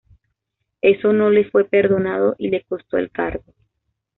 Eso no le fue perdonado y le costó el cargo.